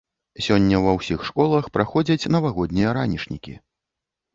Сёння ва ўсіх школах праходзяць навагоднія ранішнікі.